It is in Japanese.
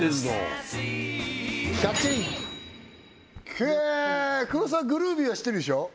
へえ黒沢グルービーは知ってるでしょ？